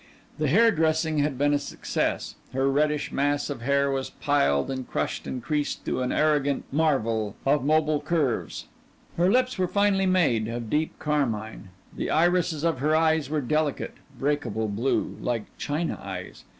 The hairdressing had been a success; her reddish mass of hair was piled and crushed and creased to an arrogant marvel of mobile curves. Her lips were finely made of deep carmine; the irises of her eyes were delicate, breakable blue, like china eyes.